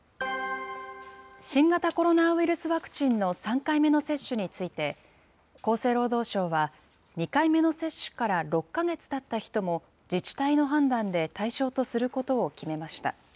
新型コロナウイルスワクチンの３回目の接種について、厚生労働省は、２回目の接種から６か月たった人も、自治体の判断で対象とすることを決めました。